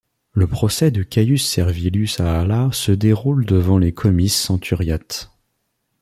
Le procès de Caius Servilius Ahala se déroule devant les comices centuriates.